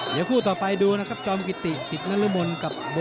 หยัดคู่ต่อไปดูนะครับ